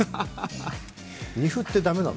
二歩って駄目なの？